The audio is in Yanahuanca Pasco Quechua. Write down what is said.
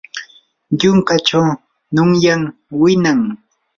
yunkachaw nunyam winan.